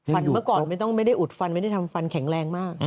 เมื่อก่อนไม่ได้อุดฟันไม่ได้ทำฟันแข็งแรงมาก